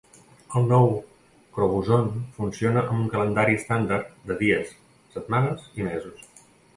El nou Crobuzon funciona amb un calendari estàndard de dies, setmanes i mesos.